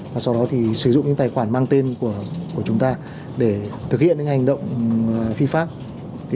và sau đó thì sử dụng những tài khoản mang tên của chúng ta để thực hiện những hành động phi pháp